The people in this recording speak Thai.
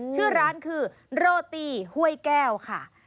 ชื่อร้านคือโรตี้ห้วยแก้วค่ะ